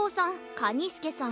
カニスケさん